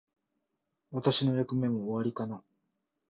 私の役目も終わりかな。